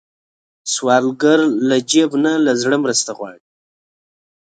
سوالګر له جیب نه، له زړه مرسته غواړي